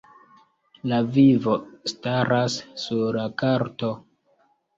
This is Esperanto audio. La vivo staras sur la karto.